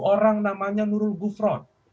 orang namanya nurul gufrod